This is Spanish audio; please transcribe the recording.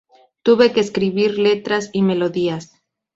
Tuve que escribir letras y melodías.